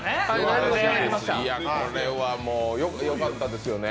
これはもうよかったですよね。